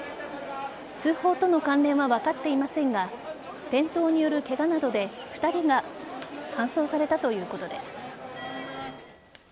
通報との関連は分かっていませんが転倒によるケガなどで２人が搬送されたということです。